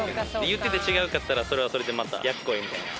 言って違うかったらそれはそれでやっこいみたいな。